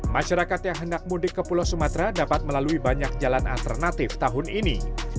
masyarakat yang hendak mudik ke pulau sumatera dapat melalui banyak jalan alternatif tahun ini